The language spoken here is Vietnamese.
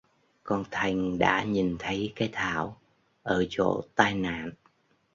con thanh đã nhìn thấy cái thảo ở chỗ tai nạn